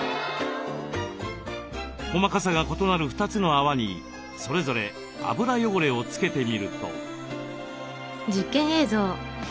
細かさが異なる２つの泡にそれぞれ油汚れをつけてみると。